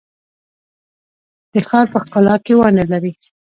د ښار په ښکلا کې ونډه لري؟